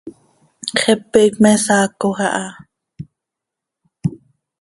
Xepe iicp me saacoj aha.